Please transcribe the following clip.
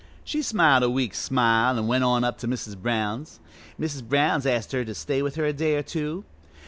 She smiled a weak smile an' went on up to Mrs. Brown's. Mrs. Brown asked her to stay with her a day or two.